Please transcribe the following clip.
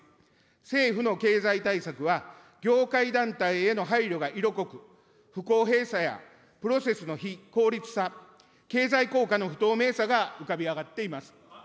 政府の経済対策は、業界団体への配慮が色濃く、不公平さやプロセスの非効率さ、経済効果の不透明さが浮かび上がっています。